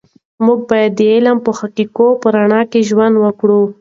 موږ باید د علمي حقایقو په رڼا کې ژوند وکړو.